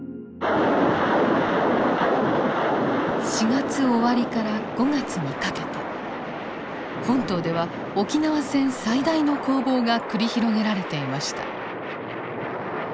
４月終わりから５月にかけて本島では沖縄戦最大の攻防が繰り広げられていました。